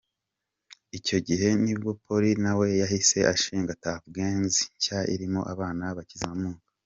Icyo gihe nibwo Polly nawe yahise ashinga Tuff Gangs nshya irimo abana bakizamuka.